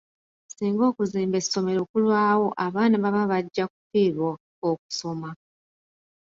Singa okuzimba essomero kulwawo abaana baba bajja kufiirwa okusoma.